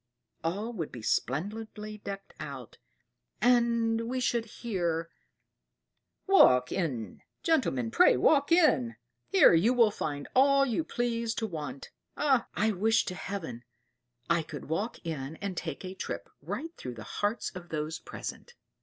All would be splendidly decked out, and we should hear, 'Walk in, gentlemen, pray walk in; here you will find all you please to want.' Ah! I wish to Heaven I could walk in and take a trip right through the hearts of those present!"